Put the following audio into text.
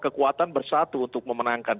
kekuatan bersatu untuk memenangkan